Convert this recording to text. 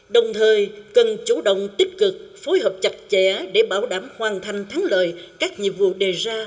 đồng thời cần chủ động tích cực phối hợp chặt chẽ để bảo đảm hoàn thành thắng lợi các nhiệm vụ đề ra